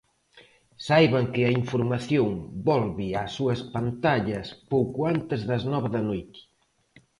Saiban que a información volve ás súas pantallas pouco antes das nove da noite.